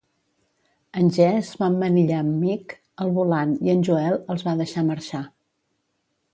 En Jesse va emmanillar en Mick al volant i en Joel els va deixar marxar.